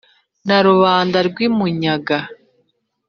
Na Rubanda rw' i Munyaga